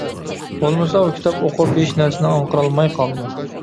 بولمىسا، ئۇ كىتاب ئوقۇپ ھېچ نەرسىنى ئاڭقىرالماي قالىدۇ.